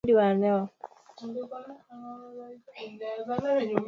Benki ya Dunia ilisema mapato ya Uganda kwa kila mtu yaliimarika